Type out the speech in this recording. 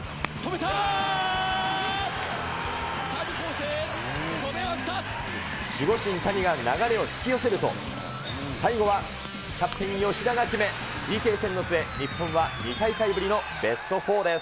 谷晃生、守護神、谷が流れを引き寄せると、最後はキャプテン吉田が決め、ＰＫ戦の末、日本は２大会ぶりのベストフォーです。